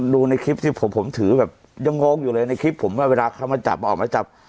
ดูในคลิปที่ผมถือแบบยังงงอยู่เลยในคลิปผมว่าเวลาเขามาจับออกมาจับ